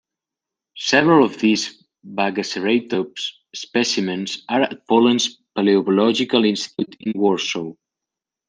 Several of these "Bagaceratops" specimens are at Poland's Paleobiological Institute in Warsaw.